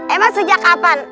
emang sejak kapan